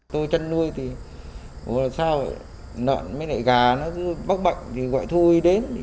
tôi chăn nuôi thì bố là sao nợn mấy đại gà nó bốc bệnh thì gọi thu y đến